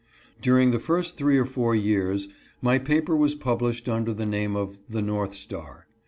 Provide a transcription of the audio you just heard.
During the first three or four years my paper was pub lished under the name of the North Star.